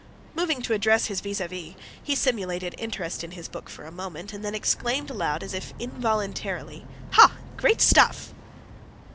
Moved to address his vis a vis, he simulated interest in his book for a moment, and then exclaimed aloud as if involuntarily: "Ha! Great stuff!"